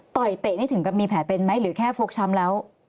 เตะนี่ถึงกับมีแผลเป็นไหมหรือแค่ฟกช้ำแล้ว